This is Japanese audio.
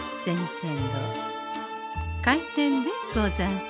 天堂開店でござんす。